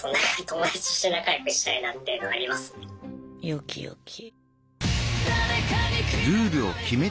よきよき。